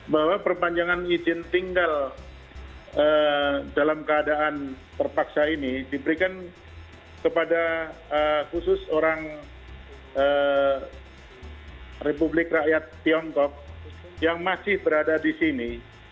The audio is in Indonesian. bahwa perpanjangan izin tinggal dalam keadaan terpaksa ini diberikan kepada khusus orang republik rakyat tiongkok yang masih berada di sini